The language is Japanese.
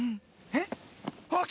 えっ？